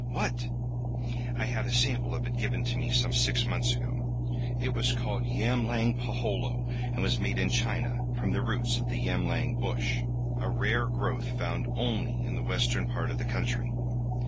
"What?" "I had a sample of it given to me some six months ago. It was called yamlang peholo, and was made in China, from the roots of the yamlang bush a rare growth found only in the western part of the country.